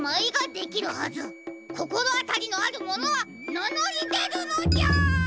こころあたりのあるものはなのりでるのじゃ！